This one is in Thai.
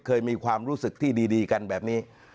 เคยมีความรู้สึกที่ดีกันแบบนี้